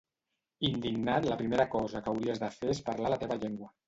Indignat la primera cosa que hauries de fer és parlar la teva llengua.